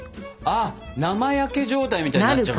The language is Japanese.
あっ生焼け状態みたいになっちゃうんだ。